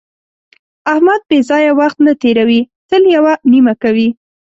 احمد بې ځایه وخت نه تېروي، تل یوه نیمه کوي.